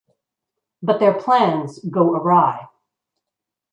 But their plans go awry.